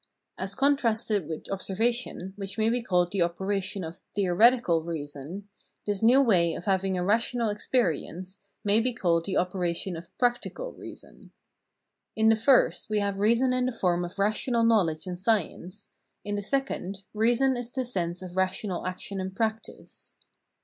As contrasted with observation, which may be called the operation of " theoretical " reason, this new way of having a rational experience may be called the operation of " practical " reason. In the first we have reason in the form of rational knowledge and science, in the second, reason is the sense of rational action and practice.